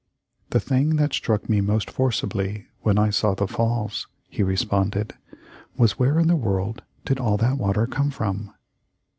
"The thing that struck me most forcibly when I saw the Falls," he responded, "was, where in the world did all that water come from?"